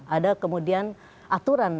ada kemudian aturan